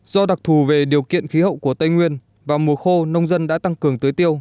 do đặc thù về điều kiện khí hậu của tây nguyên vào mùa khô nông dân đã tăng cường tưới tiêu